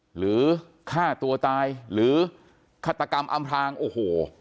หรือฆ่าตัวตายหรือฆาตกรรมอำพลางโอ้โห